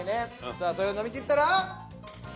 さあそれを飲みきったら。